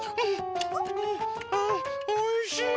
おいしい！